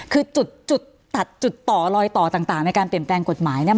คือจุดตัดจุดต่อรอยต่อต่างในการเปลี่ยนแปลงกฎหมายเนี่ย